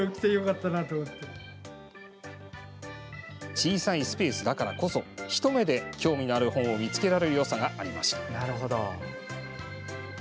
小さいスペースだからこそ一目で興味のある本を見つけられるよさがありました。